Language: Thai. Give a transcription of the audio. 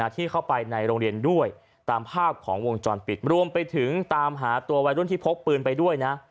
ที่เข้าไปในโรงเรียนด้วยตามภาพของวงจรปิดรวมไปถึงตามหาตัววัยรุ่นที่พกปืนไปด้วยนะ